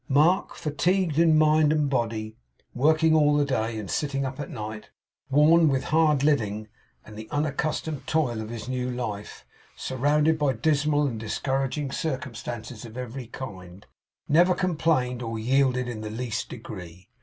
Mark, fatigued in mind and body; working all the day and sitting up at night; worn with hard living and the unaccustomed toil of his new life; surrounded by dismal and discouraging circumstances of every kind; never complained or yielded in the least degree.